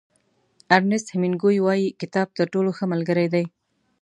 ارنیست هېمېنګوی وایي کتاب تر ټولو ښه ملګری دی.